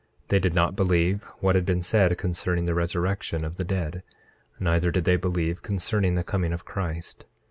26:2 They did not believe what had been said concerning the resurrection of the dead, neither did they believe concerning the coming of Christ.